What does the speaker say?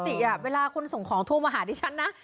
เพราะว่าปกติเวลาคุณส่งของโทรมาหาดิฉันนะ